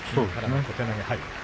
小手投げ。